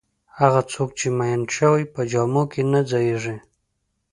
هغه څوک چې میین شوی په جامو کې نه ځایېږي.